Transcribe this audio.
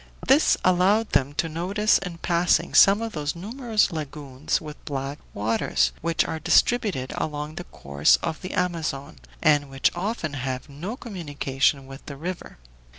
This allowed them to notice in passing some of those numerous lagoons with black waters, which are distributed along the course of the Amazon, and which often have no communication with the river.